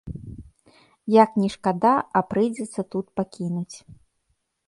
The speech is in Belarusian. Як ні шкада, а прыйдзецца тут пакінуць.